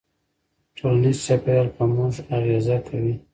ټولنیز چاپېریال په موږ اغېزه کوي.